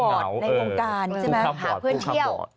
ในวงการใช่ไหมหาเพื่อนเที่ยว